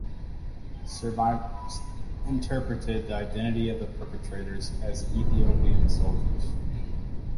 Survivors interpreted the identity of the perpetrators as Ethiopian soldiers.